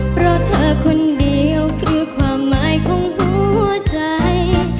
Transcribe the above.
เพราะเธอคนเดียวคือความหมายของหัวใจ